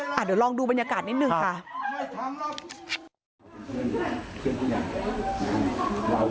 เดี๋ยวลองดูบรรยากาศนิดนึงค่ะ